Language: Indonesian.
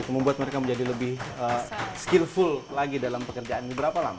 membuat mereka menjadi lebih skillful lagi dalam pekerjaan ini berapa lama